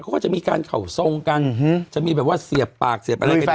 เขาก็จะมีการเข่าทรงกันอื้อฮือจะมีแบบว่าเสียบปากเสียบอะไรเป็นอย่างงี้